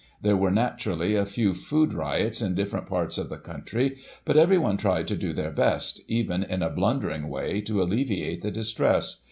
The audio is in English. There were, naturally, a few food riots in different parts of the country, but everyone tried to do their best, even in a blundering way, to alleviate the distress.